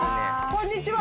こんにちは。